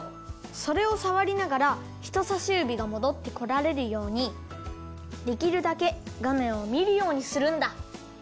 それをさわりながらひとさしゆびがもどってこられるようにできるだけがめんをみるようにするんだ。